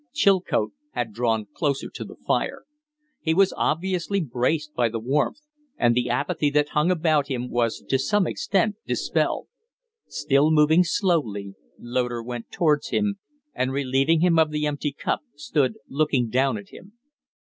Chilcote had drawn closer to the fire. He was obviously braced by the warmth; and the apathy that hung about him was to some extent dispelled. Still moving slowly, Loder went towards him, and, relieving him of the empty cup, stood looking down at him.